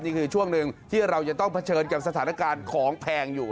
นี่คือช่วงหนึ่งที่เราจะต้องเผชิญกับสถานการณ์ของแพงอยู่